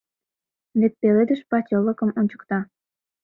Вет пеледыш пачылыкым ончыкта.